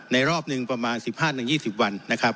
ในรอบหนึ่งประมาณสิบห้าหนึ่งยี่สิบวันนะครับ